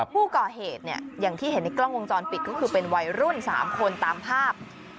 ผู้ก่อเหตุเนี่ยอย่างที่เห็นในกล้องวงจรปิดก็คือเป็นวัยรุ่น๓คนตามภาพ